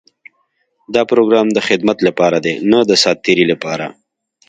دا پروګرام د خدمت لپاره دی، نۀ د ساعتېري لپاره.